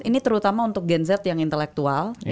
ini terutama untuk gen z yang intelektual